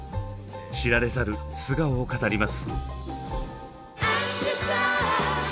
知られざる素顔を語ります。